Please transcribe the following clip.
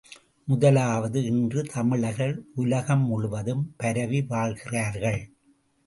முதலாவது இன்று தமிழர்கள் உலகம் முழுதும் பரவி வாழ்கிறார்கள்.